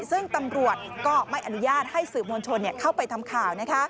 ซึ่งตำรวจก็ไม่อนุญาตให้สื่อมวลชนเข้าไปทำข่าว